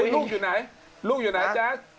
ลูกอยู่ไหนลูกอยู่ในห้าง